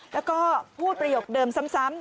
แล้วก็พูดประโยคเดิมซ้ำ